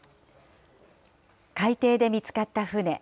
海底で見つかった船。